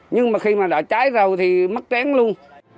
nhưng mà khi mà đã cháy rồi thì mất trén luôn